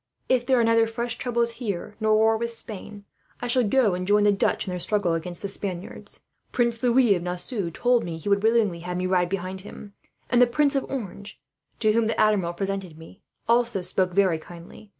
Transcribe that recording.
"If there are neither fresh troubles here, nor war with Spain, I shall go and join the Dutch in their struggle against the Spaniards. Prince Louis of Nassau told me that he would willingly have me to ride behind him; and the Prince of Orange, to whom the Admiral presented me, also spoke very kindly.